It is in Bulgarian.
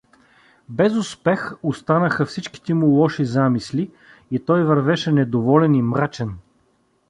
Без успех останаха всичките му лоши замисли и той вървеше недоволен и мрачен.